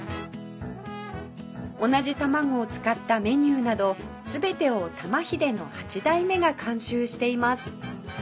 同じたまごを使ったメニューなど全てを玉ひでの八代目が監修しています